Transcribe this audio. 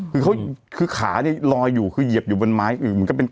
คือเขาคือขาเนี่ยลอยอยู่คือเหยียบอยู่บนไม้อื่นเหมือนกับเป็น